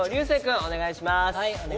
はいお願いします。